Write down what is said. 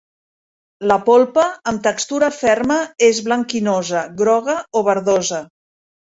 La polpa, amb textura ferma, és blanquinosa, groga o verdosa.